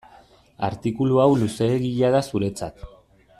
Artikulu hau luzeegia da zuretzat.